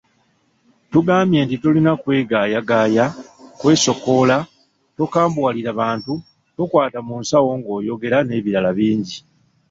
Tugambye nti tolina kwegaayagaaya, kwesokoola, tokambuwalira bantu, tokwata mu nsawo ng’oyogera n’ebirala bingi.